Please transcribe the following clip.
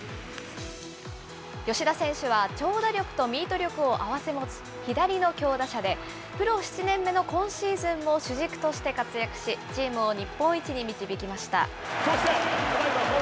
吉田選手は長打力とミート力を併せ持つ左の強打者で、プロ７年目の今シーズンも主軸として活躍し、チームを日本一に導きました。